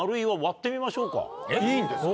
いいんですか？